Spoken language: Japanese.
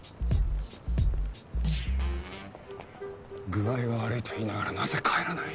具合が悪いと言いながらなぜ帰らない？